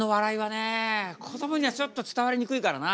こどもにはちょっと伝わりにくいからな。